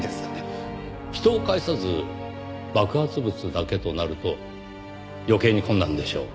人を介さず爆発物だけとなると余計に困難でしょう。